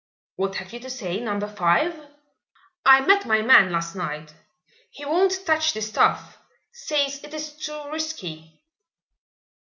"What have you to say, Number Five?" "I met my man last night. He won't touch the stuff says it is too risky."